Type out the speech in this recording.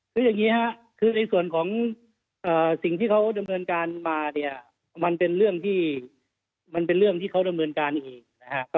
คืออย่างนี้ฮะคือในส่วนของสิ่งที่เขาดำเนินการมาเนี่ยมันเป็นเรื่องที่เขาดำเนินการเองนะครับ